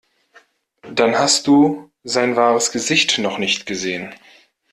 Dann hast du sein wahres Gesicht noch nicht gesehen.